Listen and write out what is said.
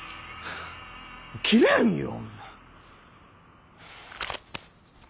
切れんよ。